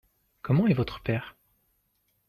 Comment est votre père ?